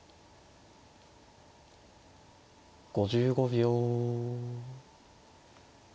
５５秒。